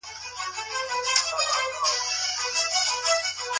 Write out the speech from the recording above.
دا یو تاریخي بهیر و چي د هیواد بنسټ یې ایښی و.